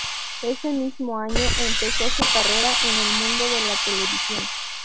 Ese mismo año empezó su carrera en el mundo de la televisión.